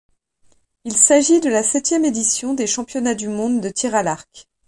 Il s'agit de la septième édition des championnats du monde de tir à l'arc.